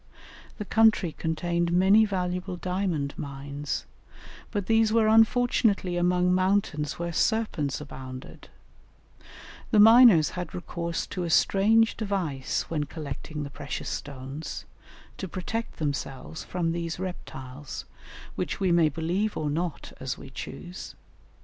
The country contained many valuable diamond mines, but these were unfortunately among mountains where serpents abounded; the miners had recourse to a strange device when collecting the precious stones, to protect themselves from these reptiles, which we may believe or not as we choose.